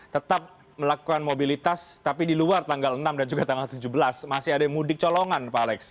tetap melakukan mobilitas tapi di luar tanggal enam dan juga tanggal tujuh belas masih ada yang mudik colongan pak alex